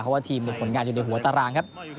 เพราะว่าทีมมีผลงานอยู่ในหัวตารางครับ